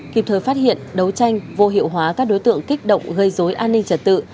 kịp thời phát hiện đấu tranh vô hiệu hóa các đối tượng kích động gây dối an ninh trật tự